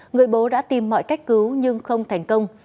người bố đã tìm mọi cách cứu nhưng không thành công